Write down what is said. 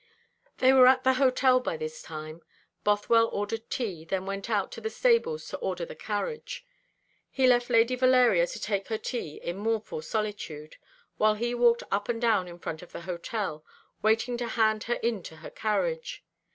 They were at the hotel by this time. Bothwell ordered tea, then went out to the stables to order the carriage. He left Lady Valeria to take her tea in mournful solitude, while he walked up and down in front of the hotel, waiting to hand her into her carriage.